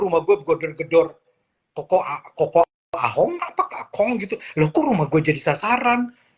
rumah gue bergedor gedor kokoh kokoh ahong apa kakong gitu loku rumah gue jadi sasaran